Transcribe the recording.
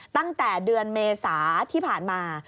ตั้งแต่เดือนเมษาที่ผ่านมา